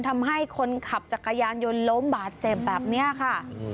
ทำให้คนขับจักรยานยนต์ล้มบาดเจ็บแบบนี้ค่ะ